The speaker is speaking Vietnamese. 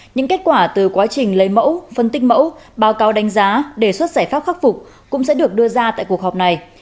những kết quả từ quá trình lấy mẫu phân tích mẫu báo cáo đánh giá đề xuất giải pháp khắc phục cũng sẽ được đưa ra tại cuộc họp này